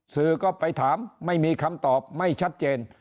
สื่อก็ไปถามไม่มีคำตอบไม่ชัดเจน